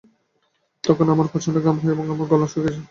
তখন আমার প্রচন্ড ঘাম হয় আর আমার গলা শুকিয়ে যায়।